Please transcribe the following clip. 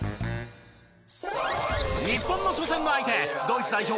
日本の初戦の相手ドイツ代表